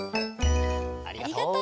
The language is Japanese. ありがとう。